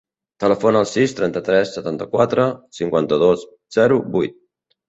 Telefona al sis, trenta-tres, setanta-quatre, cinquanta-dos, zero, vuit.